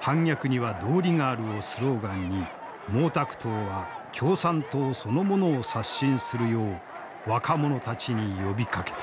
反逆には道理がある」をスローガンに毛沢東は共産党そのものを刷新するよう若者たちに呼びかけた。